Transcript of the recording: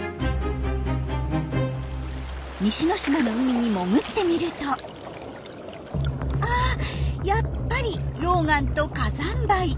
西之島の海に潜ってみるとあやっぱり溶岩と火山灰。